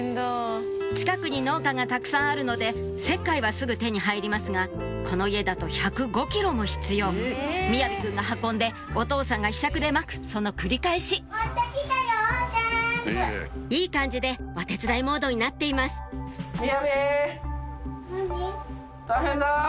近くに農家がたくさんあるので石灰はすぐ手に入りますがこの家だと１０５ｋｇも必要雅己くんが運んでお父さんがひしゃくでまくその繰り返しいい感じでお手伝いモードになっていますなに？